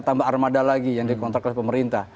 tambah armada lagi yang dikontrak oleh pemerintah